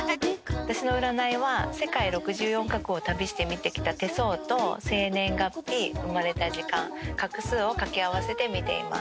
私の占いは世界６４カ国を旅して見てきた手相と生年月日生まれた時間画数を掛け合わせて見ています。